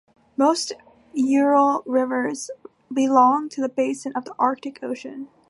Most Ural rivers belong to the basin of the Arctic Ocean.